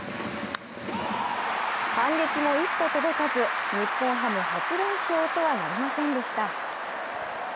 反撃も一歩届かず、日本ハム、８連勝とはなりませんでした。